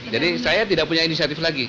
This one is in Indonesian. jadi saya tidak punya inisiatif lagi